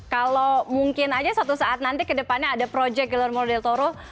kalau mungkin saja suatu saat nanti ke depannya ada proyek guillermo del toro